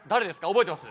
覚えてます？」